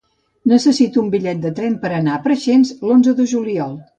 Necessito un bitllet de tren per anar a Preixens l'onze de juliol.